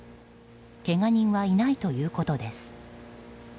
けが人はいないということです。